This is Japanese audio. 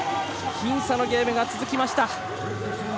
僅差のゲームが続きました。